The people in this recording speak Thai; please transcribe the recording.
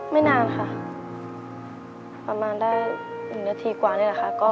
ไม่นานค่ะประมาณได้๑นาทีกว่านี่แหละค่ะ